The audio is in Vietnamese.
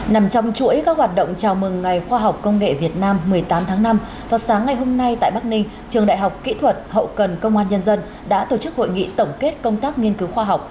nằm trong chuỗi các hoạt động chào mừng ngày khoa học công nghệ việt nam một mươi tám tháng năm vào sáng ngày hôm nay tại bắc ninh trường đại học kỹ thuật hậu cần công an nhân dân đã tổ chức hội nghị tổng kết công tác nghiên cứu khoa học